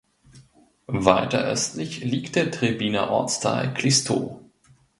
Weiter östlich liegt der Trebbiner Ortsteil Kliestow.